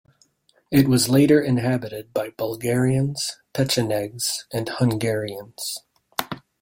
It was later inhabited by Bulgarians, Pechenegs and Hungarians.